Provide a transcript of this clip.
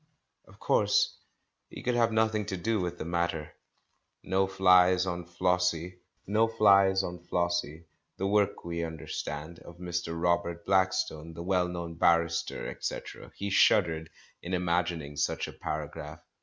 Of course he could have nothing to do with the matter. "No Flies on Flossie — the work, we un derstand, of Mr. Robert Blackstone, the well known barrister," etc. He shuddered in imagin ing such a paragraph.